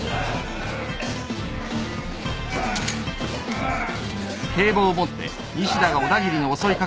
うっ。